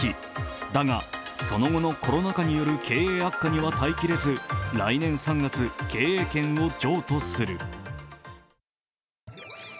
だが、その後のコロナ禍による経営悪化には耐えきれず来年３月経営権を譲渡する。